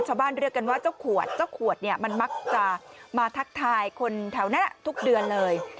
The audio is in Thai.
เรียกกันว่าเจ้าขวดเจ้าขวดเนี่ยมันมักจะมาทักทายคนแถวนั้นทุกเดือนเลย